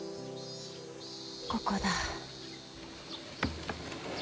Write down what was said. ここだ。